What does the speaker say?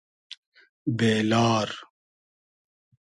بې لار